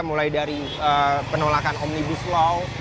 mulai dari penolakan omnibus law